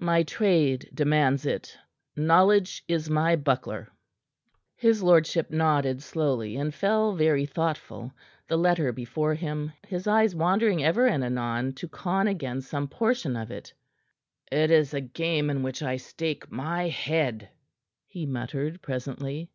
"My trade demands it. Knowledge is my buckler." His lordship nodded slowly, and fell very thoughtful, the letter before him, his eyes wandering ever and anon to con again some portion of it. "It is a game in which I stake my head," he muttered presently.